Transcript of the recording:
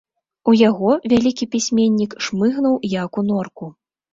У яго вялікі пісьменнік шмыгнуў, як у норку.